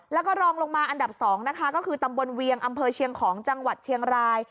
แล้วก็รองลงมาอันดับ๒นะคะก็คือตำบลเวียงอำเภอเชียงของจังหวัดเชียงราย